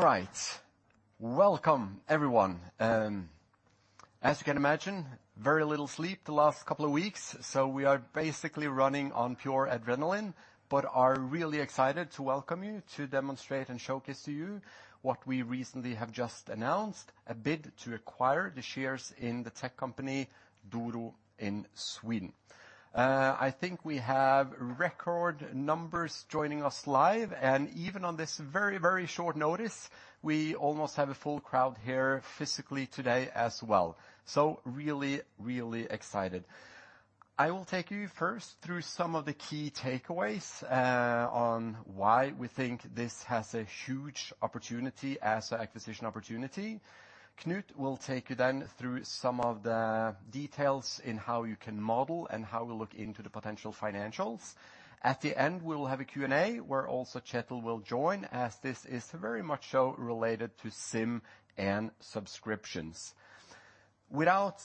All right. Welcome, everyone. As you can imagine, very little sleep the last couple of weeks, so we are basically running on pure adrenaline, but are really excited to welcome you to demonstrate and showcase to you what we recently have just announced: a bid to acquire the shares in the tech company Doro in Sweden. I think we have record numbers joining us live, and even on this very, very short notice, we almost have a full crowd here physically today as well. So really, really excited. I will take you first through some of the key takeaways on why we think this has a huge opportunity as an acquisition opportunity. Knut will take you then through some of the details in how you can model and how we look into the potential financials. At the end, we will have a Q&A, where also Kjetil will join, as this is very much so related to SIM and subscriptions. Without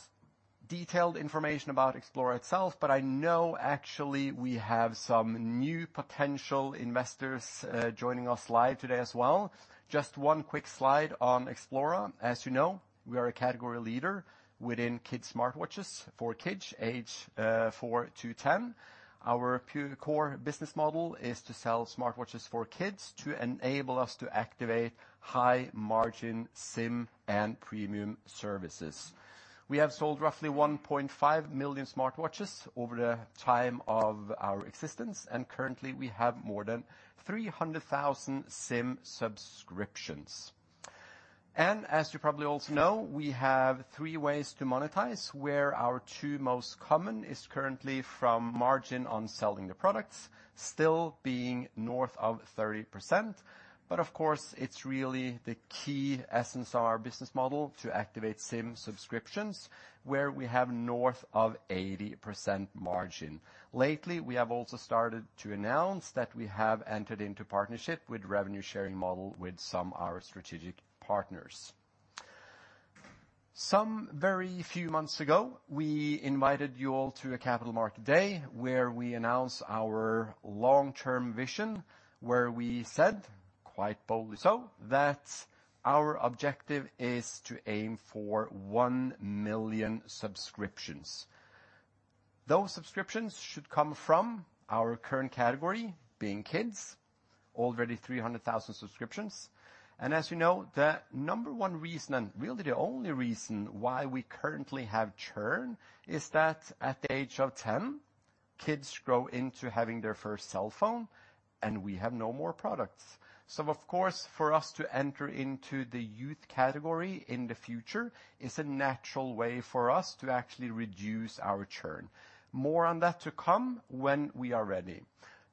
detailed information about Xplora itself, but I know actually we have some new potential investors, joining us live today as well. Just one quick slide on Xplora. As you know, we are a category leader within kids' smartwatches for kids age four to ten. Our pure core business model is to sell smartwatches for kids to enable us to activate high-margin SIM and premium services. We have sold roughly 1.5 million smartwatches over the time of our existence, and currently, we have more than 300,000 SIM subscriptions. And as you probably also know, we have three ways to monetize, where our two most common is currently from margin on selling the products, still being north of 30%. But of course, it's really the key essence of our business model to activate SIM subscriptions, where we have north of 80% margin. Lately, we have also started to announce that we have entered into partnership with revenue-sharing model with some of our strategic partners. Some very few months ago, we invited you all to a Capital Markets Day, where we announced our long-term vision, where we said, quite boldly so, that our objective is to aim for 1 million subscriptions. Those subscriptions should come from our current category, being kids, already 300,000 subscriptions. And as you know, the number one reason, and really the only reason, why we currently have churn is that at the age of 10, kids grow into having their first cell phone, and we have no more products. So of course, for us to enter into the youth category in the future is a natural way for us to actually reduce our churn. More on that to come when we are ready.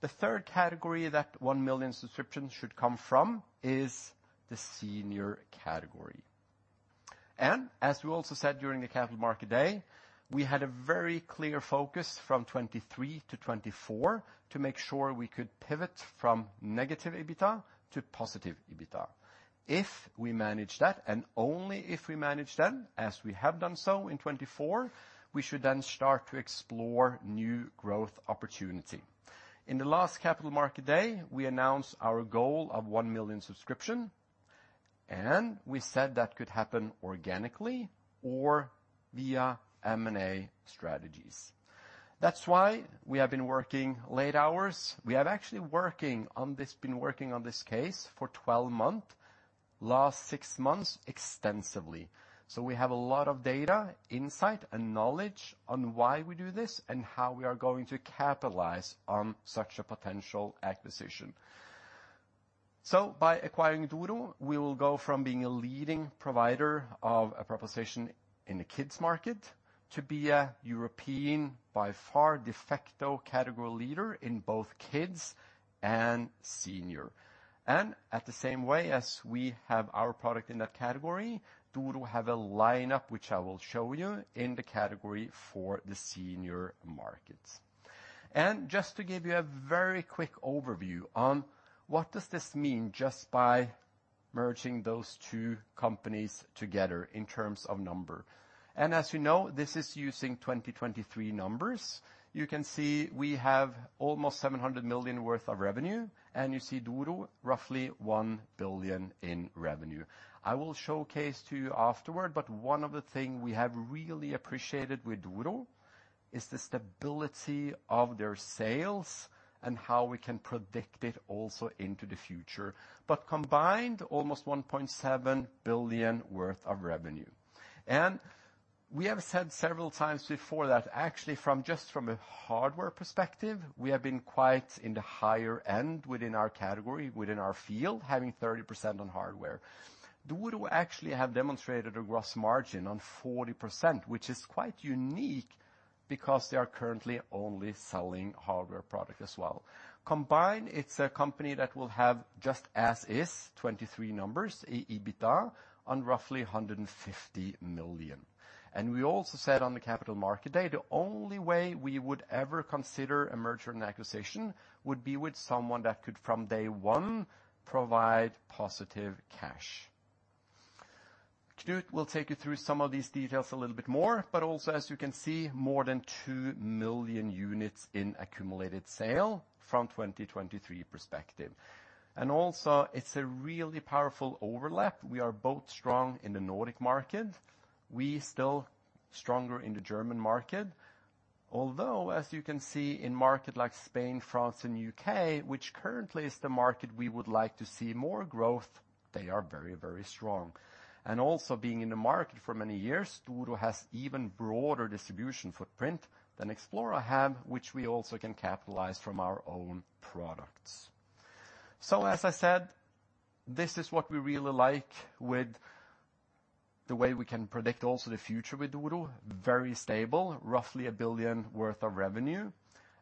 The third category that one million subscriptions should come from is the senior category. And as we also said during the Capital Markets Day, we had a very clear focus from 2023 to 2024 to make sure we could pivot from negative EBITDA to positive EBITDA. If we manage that, and only if we manage then, as we have done so in 2024, we should then start to explore new growth opportunity. In the last Capital Markets Day, we announced our goal of one million subscription, and we said that could happen organically or via M&A strategies. That's why we have been working late hours. We have actually been working on this case for 12 months, last 6 months extensively. So we have a lot of data, insight, and knowledge on why we do this and how we are going to capitalize on such a potential acquisition. So by acquiring Doro, we will go from being a leading provider of a proposition in the kids market to be a European, by far, de facto category leader in both kids and senior. And at the same way as we have our product in that category, Doro have a lineup, which I will show you, in the category for the senior markets. And just to give you a very quick overview on what does this mean just by merging those two companies together in terms of number? And as you know, this is using 2023 numbers. You can see we have almost 700 million worth of revenue, and you see Doro, roughly 1 billion in revenue. I will showcase to you afterward, but one of the things we have really appreciated with Doro is the stability of their sales and how we can predict it also into the future, but combined, almost 1.7 billion worth of revenue. And we have said several times before that, actually, from just a hardware perspective, we have been quite in the higher end within our category, within our field, having 30% on hardware. Doro actually have demonstrated a gross margin on 40%, which is quite unique because they are currently only selling hardware product as well. Combined, it's a company that will have, just as is, '23 numbers in EBITDA on roughly 150 million. We also said on the Capital Markets Day, the only way we would ever consider a merger and acquisition would be with someone that could, from day one, provide positive cash.... Knut will take you through some of these details a little bit more, but also, as you can see, more than two million units in accumulated sales from 2023 perspective. It's a really powerful overlap. We are both strong in the Nordic market. We're still stronger in the German market, although as you can see in markets like Spain, France, and UK, which currently are the markets we would like to see more growth, they are very, very strong. Being in the market for many years, Doro has even broader distribution footprint than Xplora has, which we also can capitalize from our own products. So as I said, this is what we really like with the way we can predict also the future with Doro, very stable, roughly 1 billion worth of revenue,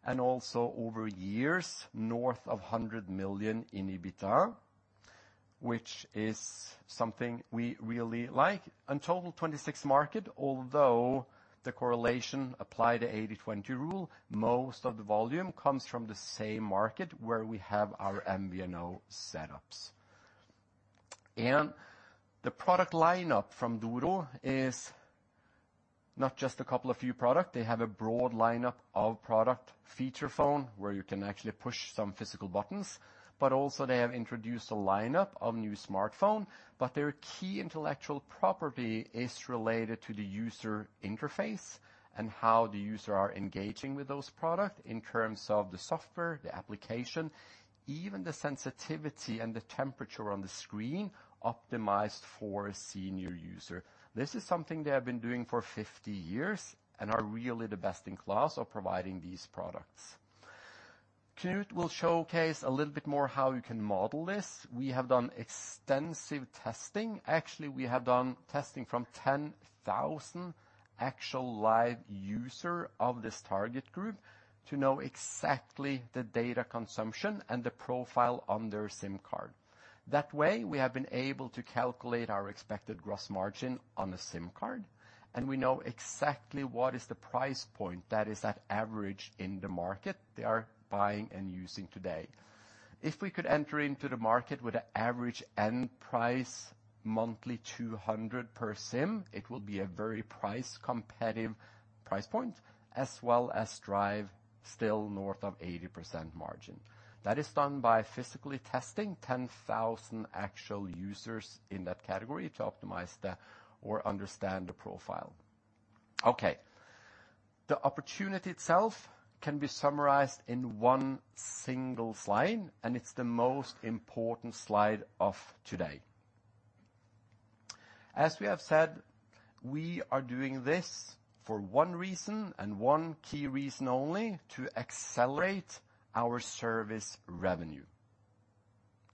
and also over years, north of 100 million in EBITDA, which is something we really like. In total, 26 markets, although the correlation apply to 80/20 rule, most of the volume comes from the same market where we have our MVNO setups. And the product lineup from Doro is not just a couple of few product. They have a broad lineup of product feature phone, where you can actually push some physical buttons, but also they have introduced a lineup of new smartphone. But their key intellectual property is related to the user interface and how the users are engaging with those products in terms of the software, the application, even the sensitivity and the temperature on the screen optimized for senior users. This is something they have been doing for fifty years and are really the best in class of providing these products. Knut will showcase a little bit more how you can model this. We have done extensive testing. Actually, we have done testing from 10,000 actual live users of this target group to know exactly the data consumption and the profile on their SIM card. That way, we have been able to calculate our expected gross margin on the SIM card, and we know exactly what is the price point that is at average in the market they are buying and using today. If we could enter into the market with an average end price, monthly 200 per SIM, it will be a very price competitive price point, as well as drive still north of 80% margin. That is done by physically testing 10,000 actual users in that category to optimize the or understand the profile. Okay, the opportunity itself can be summarized in one single slide, and it's the most important slide of today. As we have said, we are doing this for one reason and one key reason only: to accelerate our service revenue,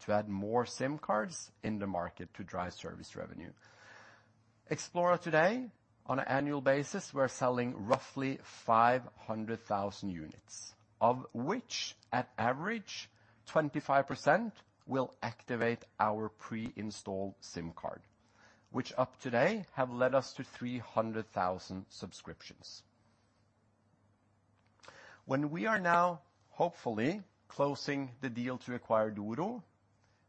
to add more SIM cards in the market to drive service revenue. Xplora today, on an annual basis, we're selling roughly 500,000 units, of which, at average, 25% will activate our pre-installed SIM card, which up today have led us to 300,000 subscriptions. When we are now hopefully closing the deal to acquire Doro,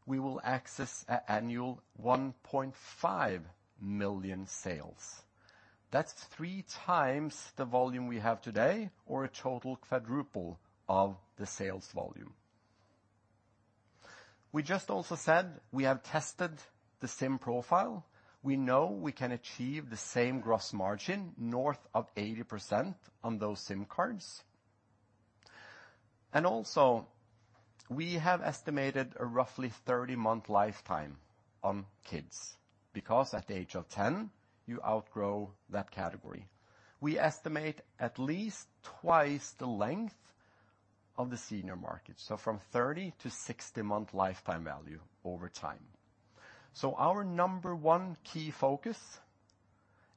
we will access an annual 1.5 million sales. That's three times the volume we have today, or a total quadruple of the sales volume. We just also said we have tested the SIM profile. We know we can achieve the same gross margin, north of 80%, on those SIM cards. And also, we have estimated a roughly 30-month lifetime on kids, because at the age of 10, you outgrow that category. We estimate at least twice the length of the senior market, so from 30- to 60-month lifetime value over time. So our number one key focus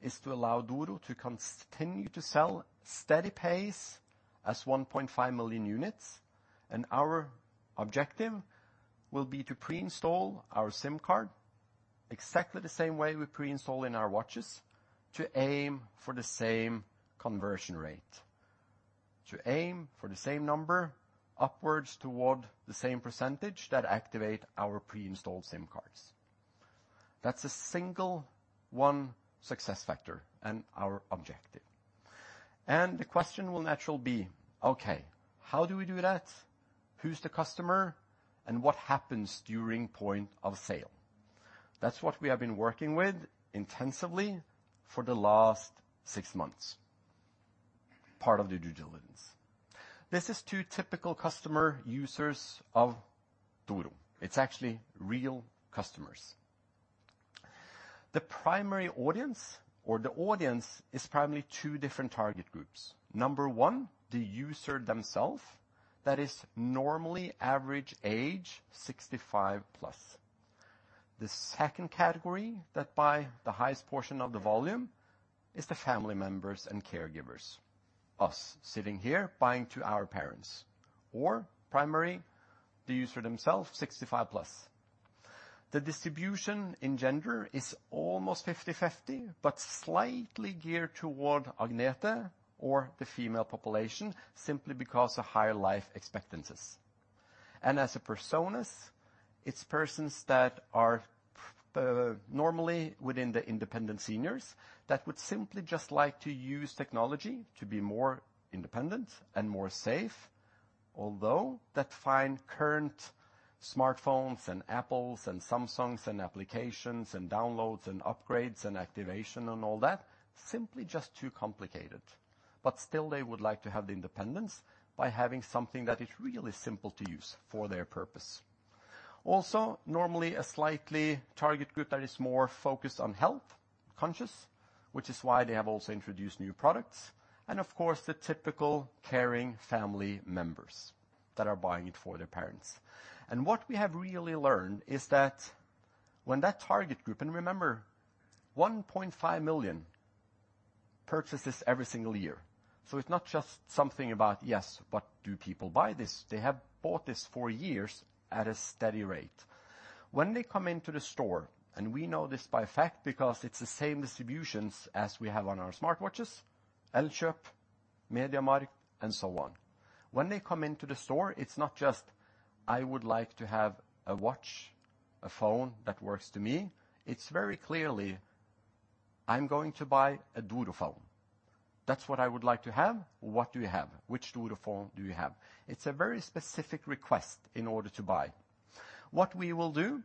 is to allow Doro to continue to sell steady pace as one point five million units, and our objective will be to pre-install our SIM card exactly the same way we pre-install in our watches, to aim for the same conversion rate, to aim for the same number upwards toward the same percentage that activate our pre-installed SIM cards. That's a single one success factor and our objective. And the question will naturally be, okay, how do we do that? Who's the customer, and what happens during point of sale? That's what we have been working with intensively for the last six months, part of the due diligence. This is two typical customer users of Doro. It's actually real customers. The primary audience, or the audience, is primarily two different target groups. Number one, the user themselves, that is normally average age sixty-five plus. The second category that buy the highest portion of the volume is the family members and caregivers, us sitting here buying to our parents, or primary, the user themselves, 65-plus. The distribution in gender is almost 50/50, but slightly geared toward women, or the female population, simply because of higher life expectancies... and as personas, it's persons that are normally within the independent seniors that would simply just like to use technology to be more independent and more safe. Although they find current smartphones and Apple's and Samsung's, and applications, and downloads, and upgrades, and activation, and all that, simply just too complicated. But still, they would like to have the independence by having something that is really simple to use for their purpose. Also, normally a slightly target group that is more focused on health-conscious, which is why they have also introduced new products, and of course, the typical caring family members that are buying it for their parents. And what we have really learned is that when that target group, and remember, one point five million purchases every single year, so it's not just something about: Yes, but do people buy this? They have bought this for years at a steady rate. When they come into the store, and we know this by fact, because it's the same distributions as we have on our smartwatches, Elkjøp, MediaMarkt, and so on. When they come into the store, it's not just, "I'm going to buy a watch, a phone that works to me." It's very clearly, "I'm going to buy a Doro phone. That's what I would like to have. What do you have? Which Doro phone do you have?" It's a very specific request in order to buy. What we will do,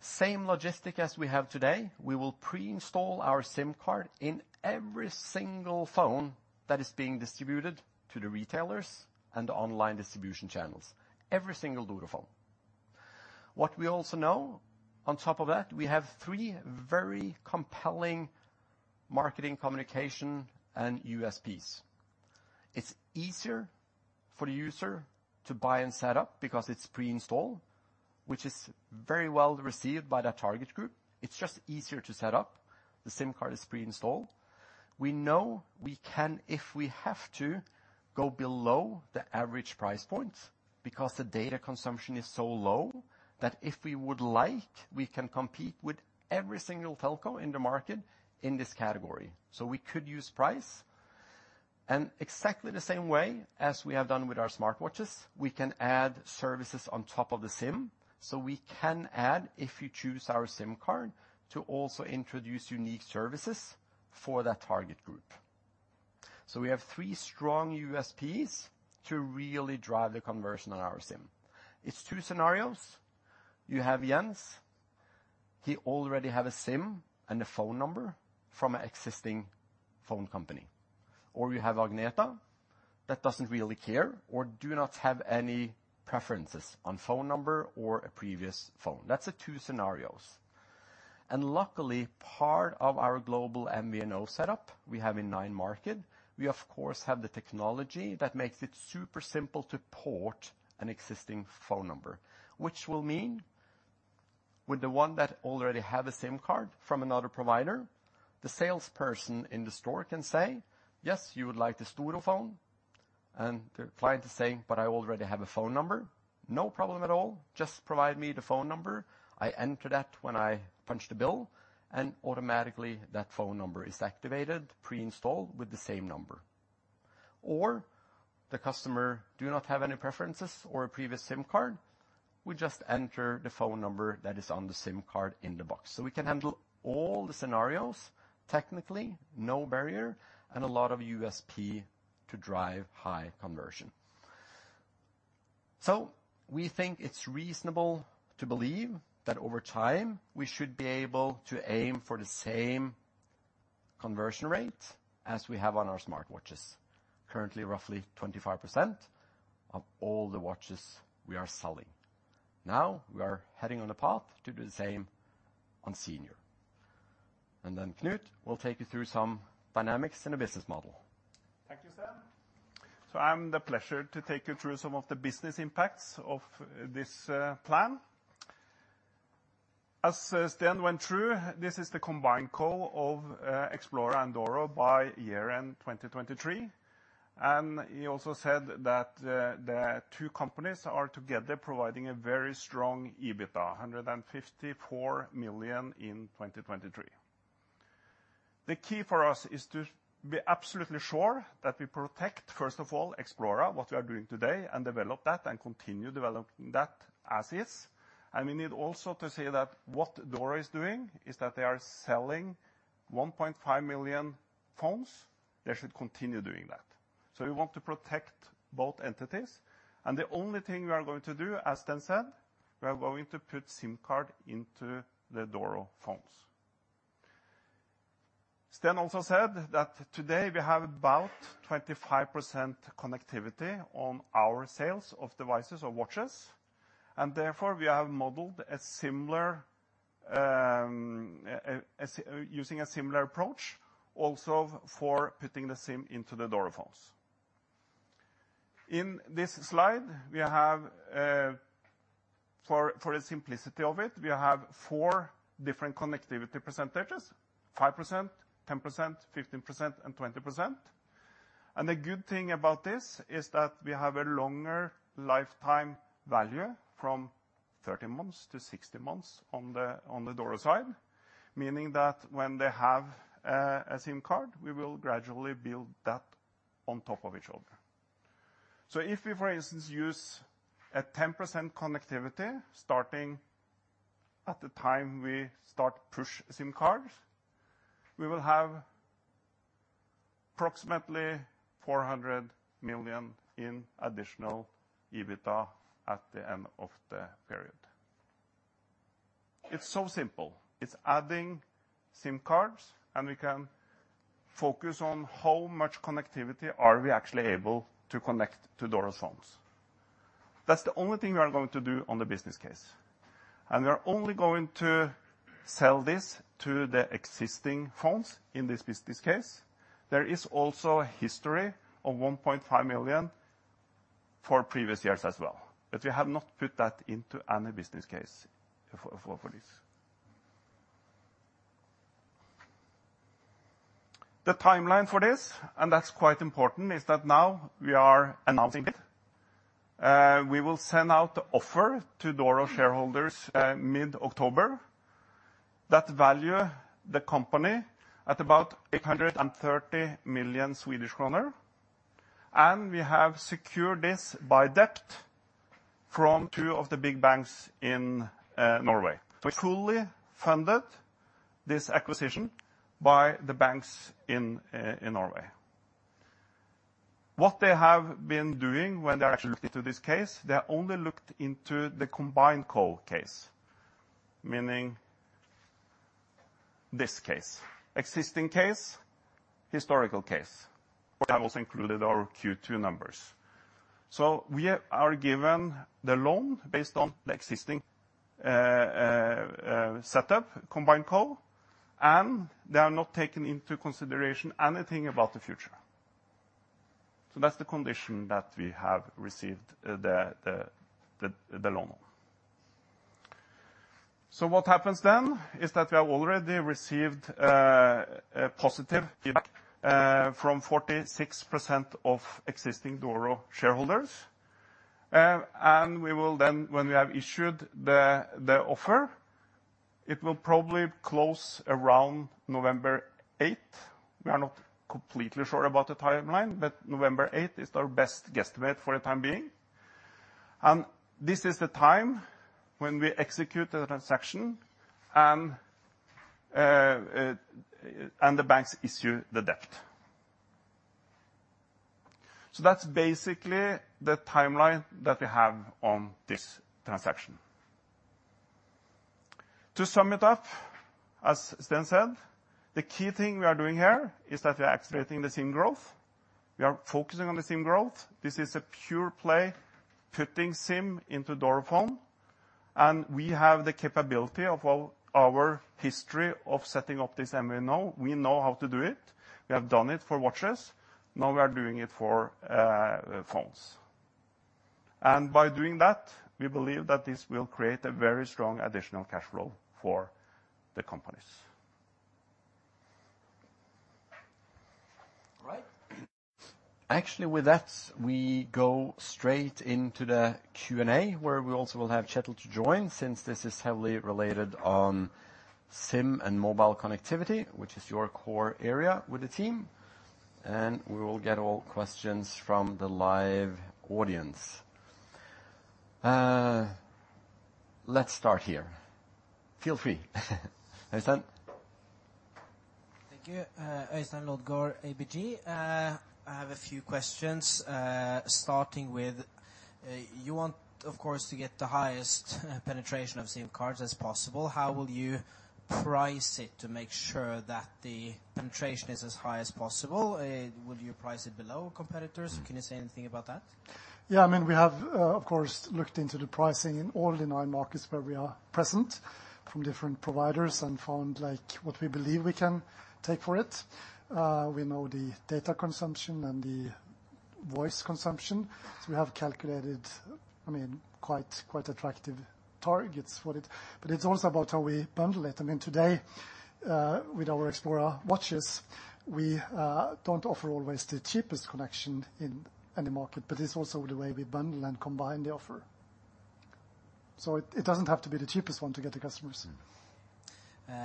same logistics as we have today, we will pre-install our SIM card in every single phone that is being distributed to the retailers and the online distribution channels, every single Doro phone. What we also know on top of that, we have three very compelling marketing, communication, and USPs. It's easier for the user to buy and set up because it's pre-installed, which is very well received by that target group. It's just easier to set up. The SIM card is pre-installed. We know we can, if we have to, go below the average price point, because the data consumption is so low, that if we would like, we can compete with every single telco in the market in this category, so we could use price. And exactly the same way as we have done with our smartwatches, we can add services on top of the SIM, so we can add, if you choose our SIM card, to also introduce unique services for that target group. So we have three strong USPs to really drive the conversion on our SIM. It's two scenarios. You have Jens, he already have a SIM and a phone number from an existing phone company, or you have Agnetha, that doesn't really care or do not have any preferences on phone number or a previous phone. That's the two scenarios. Luckily, part of our global MVNO setup we have in nine markets, we, of course, have the technology that makes it super simple to port an existing phone number, which will mean with the ones that already have a SIM card from another provider, the salesperson in the store can say, "Yes, you would like this Doro phone?" The client is saying, "But I already have a phone number." "No problem at all. Just provide me the phone number. I enter that when I punch the bill," and automatically that phone number is activated, pre-installed with the same number. The customer does not have any preferences or a previous SIM card, we just enter the phone number that is on the SIM card in the box. So we can handle all the scenarios. Technically, no barrier, and a lot of USP to drive high conversion. So we think it's reasonable to believe that over time, we should be able to aim for the same conversion rate as we have on our smartwatches. Currently, roughly 25% of all the watches we are selling. Now, we are heading on a path to do the same on senior, and then Knut will take you through some dynamics in the business model. Thank you, Sten. It's my pleasure to take you through some of the business impacts of this plan. As Sten went through, this is the combined topline of Xplora and Doro by year end 2023. He also said that the two companies are together providing a very strong EBITDA, 154 million in 2023. The key for us is to be absolutely sure that we protect, first of all, Xplora, what we are doing today, and develop that, and continue developing that as is. We need also to say that what Doro is doing is that they are selling 1.5 million phones. They should continue doing that. So we want to protect both entities, and the only thing we are going to do, as Sten said, we are going to put SIM card into the Doro phones. Sten also said that today we have about 25% connectivity on our sales of devices or watches, and therefore, we have modeled a similar using a similar approach also for putting the SIM into the Doro phones. In this slide, we have, for the simplicity of it, we have four different connectivity percentages: 5%, 10%, 15%, and 20%. And the good thing about this is that we have a longer lifetime value from 13 months to 16 months on the Doro side, meaning that when they have a SIM card, we will gradually build that on top of each other. So if we, for instance, use a 10% connectivity starting at the time we start push SIM cards, we will have approximately 400 million in additional EBITDA at the end of the period. It's so simple. It's adding SIM cards, and we can focus on how much connectivity are we actually able to connect to Doro's phones. That's the only thing we are going to do on the business case, and we are only going to sell this to the existing phones in this business case. There is also a history of 1.5 million for previous years as well, but we have not put that into any business case for this. The timeline for this, and that's quite important, is that now we are announcing it. We will send out the offer to Doro shareholders mid-October, that value the company at about 830 million Swedish kronor, and we have secured this by debt from two of the big banks in Norway. We fully funded this acquisition by the banks in Norway. What they have been doing when they actually looked into this case, they only looked into the combined call case, meaning this case, existing case, historical case. We have also included our Q2 numbers. So we are given the loan based on the existing setup, combined call, and they are not taking into consideration anything about the future. So that's the condition that we have received the loan on. So what happens then is that we have already received a positive feedback from 46% of existing Doro shareholders. And we will then. When we have issued the offer, it will probably close around November 8th. We are not completely sure about the timeline, but November 8th is our best guesstimate for the time being, and this is the time when we execute the transaction and the banks issue the debt. So that's basically the timeline that we have on this transaction. To sum it up, as Sten said, the key thing we are doing here is that we are activating the SIM growth. We are focusing on the SIM growth. This is a pure play, putting SIM into Doro phone, and we have the capability of all our history of setting up this MNO. We know how to do it. We have done it for watches, now we are doing it for phones, and by doing that, we believe that this will create a very strong additional cash flow for the companies. All right. Actually, with that, we go straight into the Q&A, where we also will have Kjetil to join, since this is heavily related on SIM and mobile connectivity, which is your core area with the team, and we will get all questions from the live audience. Let's start here. Feel free. Øystein? Thank you. Øystein Lodgaard, ABG. I have a few questions, starting with: you want, of course, to get the highest penetration of SIM cards as possible. How will you price it to make sure that the penetration is as high as possible? Would you price it below competitors? Can you say anything about that? Yeah, I mean, we have, of course, looked into the pricing in all the nine markets where we are present from different providers and found, like, what we believe we can take for it. We know the data consumption and the voice consumption, so we have calculated, I mean, quite, quite attractive targets for it. But it's also about how we bundle it. I mean, today, with our Xplora watches, we don't offer always the cheapest connection in any market, but it's also the way we bundle and combine the offer. So it doesn't have to be the cheapest one to get the customers.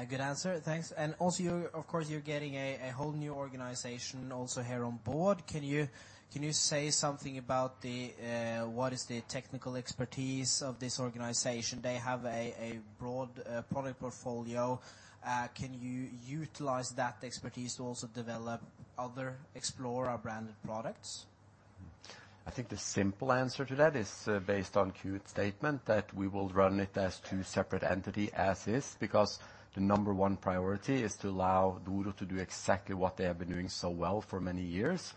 Good answer. Thanks. And also, of course, you're getting a whole new organization also here on board. Can you say something about what is the technical expertise of this organization? They have a broad product portfolio. Can you utilize that expertise to also develop other Xplora branded products? I think the simple answer to that is, based on Knut's statement, that we will run it as two separate entity as is, because the number one priority is to allow Doro to do exactly what they have been doing so well for many years,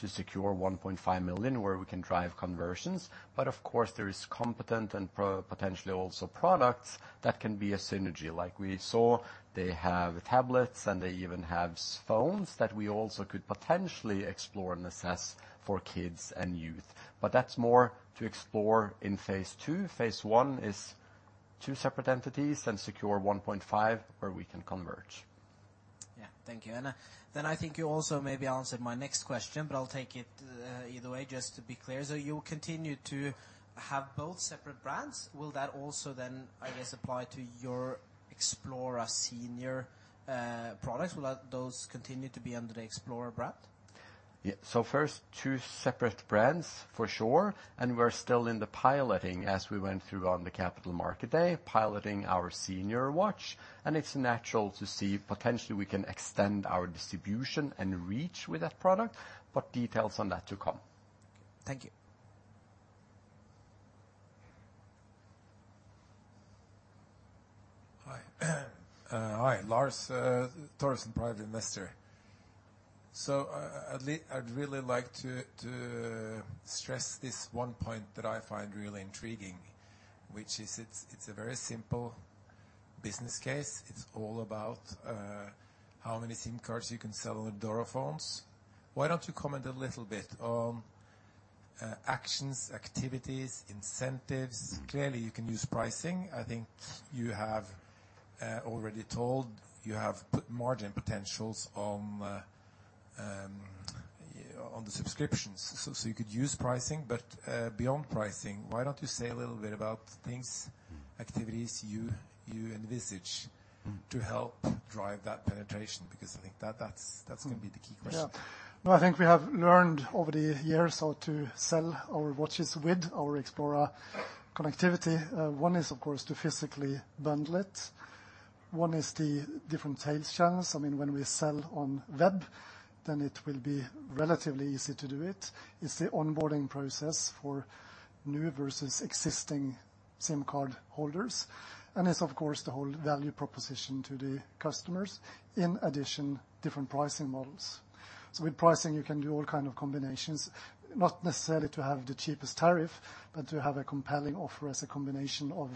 to secure one point five million, where we can drive conversions. But of course, there is complementary and potentially also products that can be a synergy. Like we saw, they have tablets, and they even have phones that we also could potentially explore and assess for kids and youth. But that's more to explore in phase two. Phase one is two separate entities and secure one point five, where we can converge. Yeah. Thank you. And, then I think you also maybe answered my next question, but I'll take it, either way, just to be clear. So you'll continue to have both separate brands? Will that also then, I guess, apply to your Xplora senior products? Will that- those continue to be under the Xplora brand? Yeah. So first, two separate brands, for sure, and we're still in the piloting as we went through on the Capital Markets Day, piloting our senior watch. And it's natural to see potentially we can extend our distribution and reach with that product, but details on that to come. Thank you. Hi. Hi, Lars Thorsen, private investor. So, I'd really like to stress this one point that I find really intriguing, which is, it's a very simple business case. It's all about how many SIM cards you can sell on Doro phones. Why don't you comment a little bit on actions, activities, incentives? Clearly, you can use pricing. I think you have already told you have put margin potentials on the subscriptions, so you could use pricing. But beyond pricing, why don't you say a little bit about things, activities you envisage to help drive that penetration? Because I think that's going to be the key question. Yeah. Well, I think we have learned over the years how to sell our watches with our Xplora connectivity. One is, of course, to physically bundle it. One is the different sales channels. I mean, when we sell on web, then it will be relatively easy to do it. It's the onboarding process for new versus existing SIM card holders, and it's, of course, the whole value proposition to the customers. In addition, different pricing models. So with pricing, you can do all kind of combinations, not necessarily to have the cheapest tariff, but to have a compelling offer as a combination of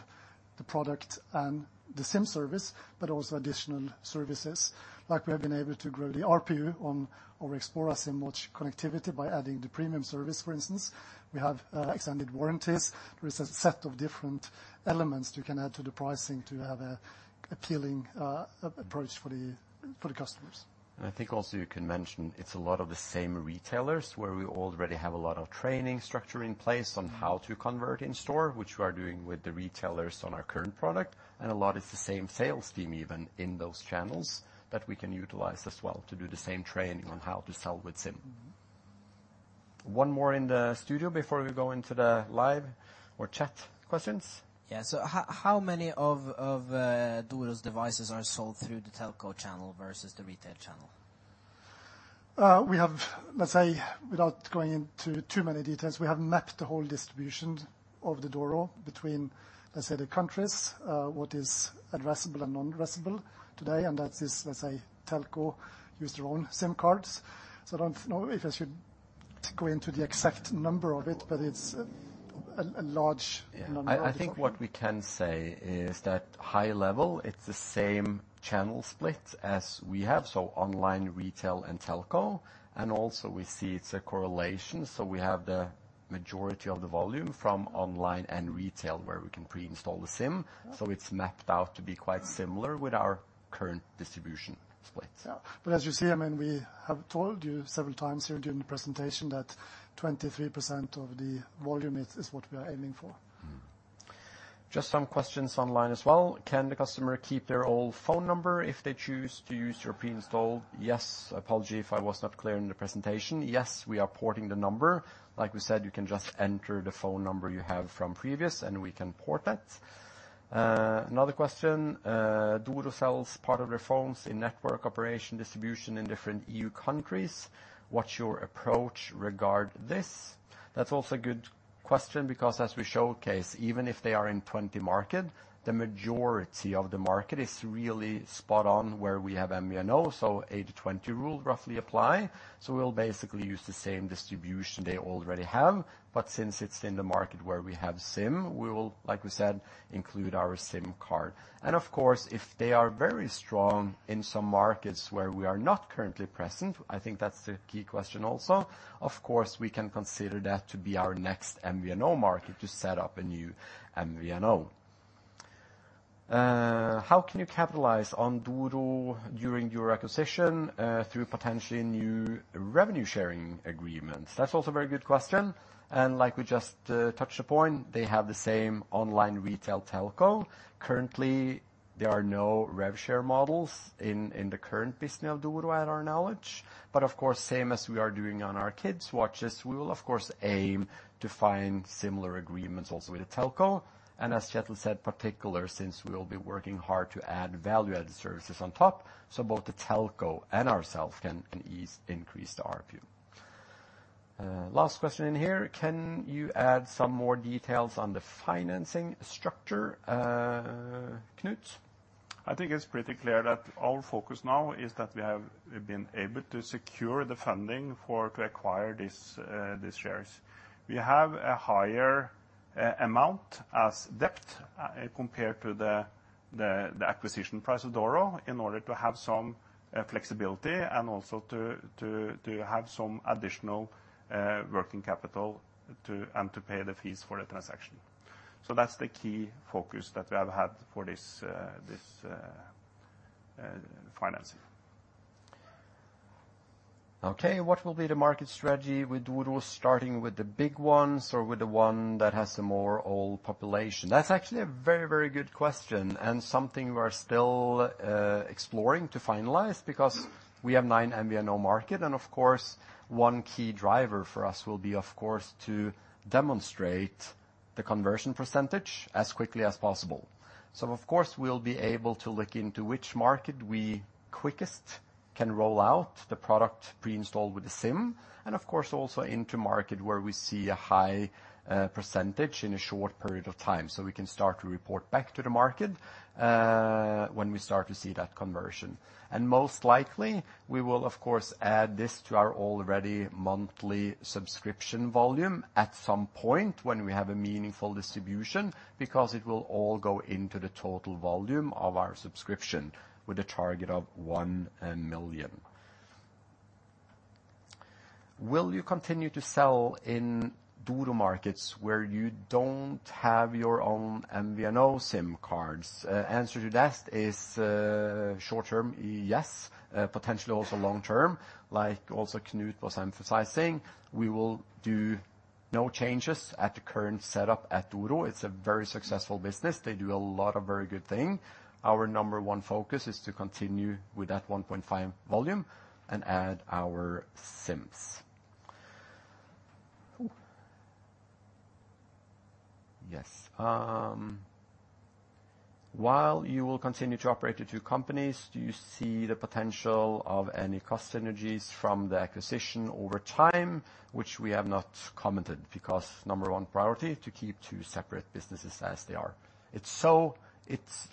the product and the SIM service, but also additional services. Like we have been able to grow the RPU on our Xplora SIM watch connectivity by adding the premium service, for instance. We have extended warranties. There is a set of different elements you can add to the pricing to have an appealing approach for the customers. And I think also you can mention it's a lot of the same retailers where we already have a lot of training structure in place on how to convert in store, which we are doing with the retailers on our current product. And a lot, it's the same sales team even in those channels that we can utilize as well to do the same training on how to sell with SIM. One more in the studio before we go into the live or chat questions. Yeah. So how many of Doro's devices are sold through the telco channel versus the retail channel? We have... Let's say, without going into too many details, we have mapped the whole distribution of the Doro between, let's say, the countries, what is addressable and non-addressable today, and that is, let's say, telco use their own SIM cards. So I don't know if I should go into the exact number of it, but it's a large number. Yeah. I think what we can say is that high level, it's the same channel split as we have, so online, retail, and telco. And also we see it's a correlation, so we have the majority of the volume from online and retail, where we can pre-install the SIM. Yeah. So it's mapped out to be quite similar with our current distribution split. Yeah. But as you see, I mean, we have told you several times here during the presentation that 23% of the volume is what we are aiming for. Mm-hmm. Just some questions online as well. Can the customer keep their old phone number if they choose to use your pre-installed? Yes. Apology if I was not clear in the presentation. Yes, we are porting the number. Like we said, you can just enter the phone number you have from previous, and we can port that. Another question: Doro sells part of their phones in network operator distribution in different EU countries. What's your approach regarding this? That's also a good question, because as we showcase, even if they are in twenty markets, the majority of the market is really spot on where we have MVNO, so eighty to twenty rule roughly apply. So we'll basically use the same distribution they already have, but since it's in the market where we have SIM, we will, like we said, include our SIM card. And of course, if they are very strong in some markets where we are not currently present, I think that's the key question also. Of course, we can consider that to be our next MVNO market to set up a new MVNO. How can you capitalize on Doro during your acquisition through potentially new revenue-sharing agreements? That's also a very good question, and like we just touched upon, they have the same online retail telco. Currently, there are no rev share models in the current business of Doro, at our knowledge. But of course, same as we are doing on our kids' watches, we will of course aim to find similar agreements also with the telco. And as Kjetil said, particular, since we will be working hard to add value-added services on top, so both the telco and ourselves can easily increase the RPU. Last question in here, Can you add some more details on the financing structure, Knut? I think it's pretty clear that our focus now is that we have been able to secure the funding for to acquire these shares. We have a higher amount as debt compared to the acquisition price of Doro in order to have some flexibility and also to have some additional working capital to and to pay the fees for the transaction. So that's the key focus that we have had for this financing. Okay, what will be the market strategy with Doro, starting with the big ones or with the one that has a more old population? That's actually a very, very good question, and something we are still exploring to finalize, because we have nine MVNO market, and of course, one key driver for us will be, of course, to demonstrate the conversion percentage as quickly as possible. So of course, we'll be able to look into which market we quickest can roll out the product pre-installed with the SIM, and of course, also into market where we see a high percentage in a short period of time. So we can start to report back to the market, when we start to see that conversion. And most likely, we will, of course, add this to our already monthly subscription volume at some point when we have a meaningful distribution, because it will all go into the total volume of our subscription with a target of one million. Will you continue to sell in Doro markets where you don't have your own MVNO SIM cards? Answer to that is, short term, yes, potentially also long term. Like also Knut was emphasizing, we will do no changes at the current setup at Doro. It's a very successful business. They do a lot of very good things. Our number one focus is to continue with that one point five volume and add our SIMs. Yes, while you will continue to operate the two companies, do you see the potential of any cost synergies from the acquisition over time? Which we have not commented, because number one priority, to keep two separate businesses as they are. It's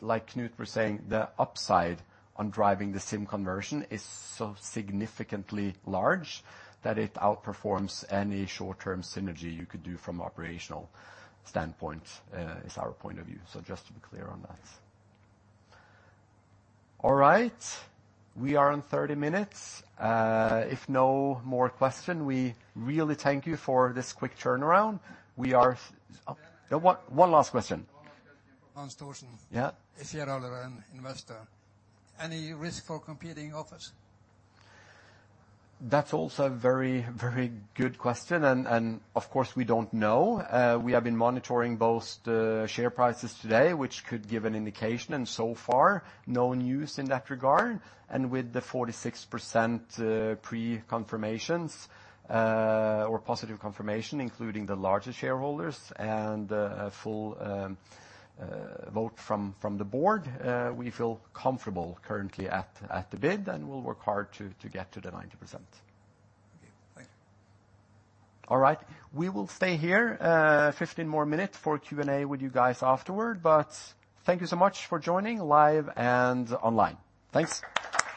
like Knut was saying, the upside on driving the SIM conversion is so significantly large that it outperforms any short-term synergy you could do from operational standpoint, is our point of view. So just to be clear on that. All right, we are on thirty minutes. If no more question, we really thank you for this quick turnaround. Oh, one last question. One last question from Lars Thorsen. Yeah. A shareholder and investor. Any risk for competing offers? That's also a very, very good question, and of course, we don't know. We have been monitoring both the share prices today, which could give an indication, and so far, no news in that regard. And with the 46% pre-confirmations or positive confirmation, including the larger shareholders and a full vote from the board, we feel comfortable currently at the bid, and we'll work hard to get to the 90%. Okay, thank you. All right, we will stay here, 15 more minutes for Q&A with you guys afterward, but thank you so much for joining live and online. Thanks.